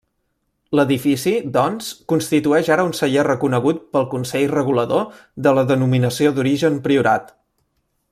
L'edifici, doncs, constitueix ara un celler reconegut pel Consell Regulador de la Denominació d'origen Priorat.